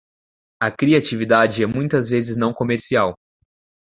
A criatividade é muitas vezes não comercial.